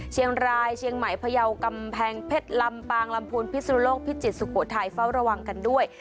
เชียงรายเชียงใหม่พยาวกำแพงเพชรลำปางลำพูนพิศนุโลกพิจิตรสุโขทัยเฝ้าระวังกันด้วย